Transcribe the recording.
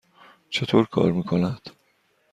چطور کار می کند؟